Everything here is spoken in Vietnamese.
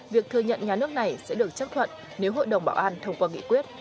việc thừa nhận nhà nước này sẽ được chấp thuận nếu hội đồng bảo an thông qua nghị quyết